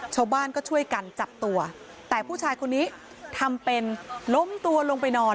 ชาวบ้านก็ช่วยกันจับตัวแต่ผู้ชายคนนี้ทำเป็นล้มตัวลงไปนอน